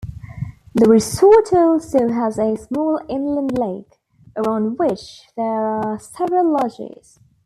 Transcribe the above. The resort also has a small inland lake, around which there are several lodges.